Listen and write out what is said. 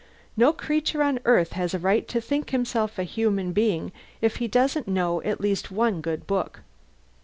No creature on earth has a right to think himself a human being if he doesn't know at least one good book.